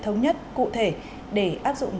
thống nhất cụ thể để áp dụng